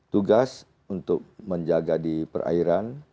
tugas untuk menjaga di perairan